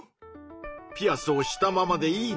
ピアスをしたままでいいのか？